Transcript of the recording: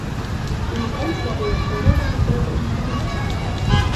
І, у прынцыпе, да гэтага трэба імкнуцца.